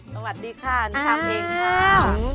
สวัสดีค่ะอันนี้ค่ะเพ็งค่ะอ้าว